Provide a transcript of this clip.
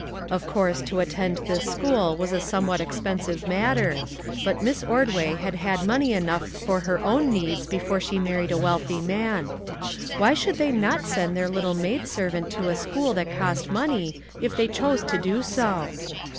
Of course to attend this school was a somewhat expensive matter, but Miss Ordway had had money enough for her own needs before she married a wealthy man. Why should they not send their little maid servant to a school that cost money, if they chose to do so